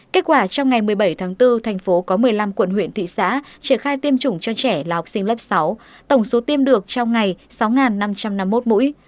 kết quả trong ngày một mươi bảy tháng bốn thành phố có một mươi năm quận huyện thị xã triển khai tiêm chủng cho trẻ là học sinh lớp sáu tổng số tiêm được trong ngày sáu năm trăm năm mươi một mũi